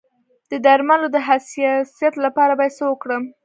د درملو د حساسیت لپاره باید څه وکړم؟